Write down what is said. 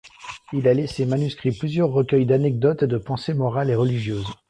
Il a laissé manuscrits plusieurs recueils d’anecdotes et de pensées morales et religieuses.